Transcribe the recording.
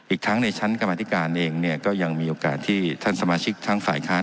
อีกทั้งในชั้นกรรมธิการเองเนี่ยก็ยังมีโอกาสที่ท่านสมาชิกทั้งฝ่ายค้าน